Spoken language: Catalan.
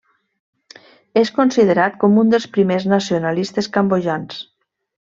És considerat com un dels primers nacionalistes cambodjans.